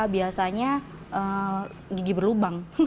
biasanya gigi berlubang